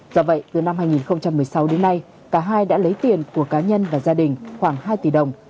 do vậy từ năm hai nghìn một mươi sáu đến nay cả hai đã lấy tiền của cá nhân và gia đình khoảng hai tỷ đồng